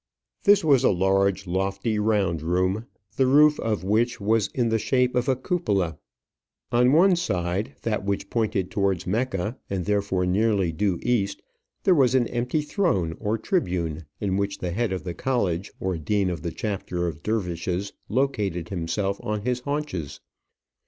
This was a large, lofty, round room, the roof of which was in the shape of a cupola; on one side, that which pointed towards Mecca, and therefore nearly due east, there was an empty throne, or tribune, in which the head of the college, or dean of the chapter of dervishes, located himself on his haunches.